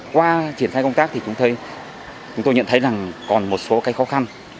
qua triển khai công tác thì chúng tôi nhận thấy là còn một số cái khó khăn